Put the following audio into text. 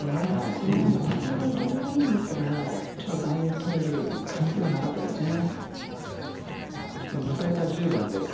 その前のパッティングはとてもいいんですけどバーディーを取れる感じでは迎えた１０番です。